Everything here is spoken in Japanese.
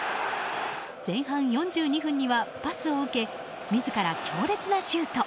前半４２分には、パスを受け自ら、強烈なシュート。